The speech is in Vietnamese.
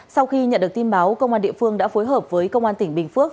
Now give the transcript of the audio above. sau khi nhận được tin báo công an địa phương đã phối hợp với công an tỉnh bình phước